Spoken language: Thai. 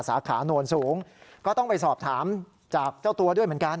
สาขาโนนสูงก็ต้องไปสอบถามจากเจ้าตัวด้วยเหมือนกัน